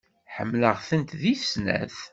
Ḥemmleɣ-tent deg snat.